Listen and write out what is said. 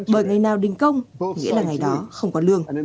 bởi ngày nào đình công nghĩa là ngày đó không có lương